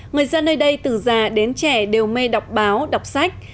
người dân nơi đây từ già đến trẻ đều mê đọc báo đọc sách